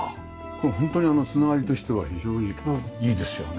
本当に繋がりとしては非常にいいですよね